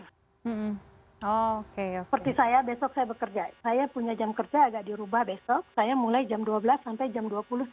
seperti saya besok saya bekerja saya punya jam kerja agak dirubah besok saya mulai jam dua belas sampai jam dua puluh